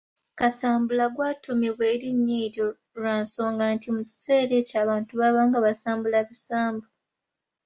Kasambula gwatuumibwa erinnya eryo lwa nsonga nti, mu kiseera ekyo abantu baabanga basambula bisambu.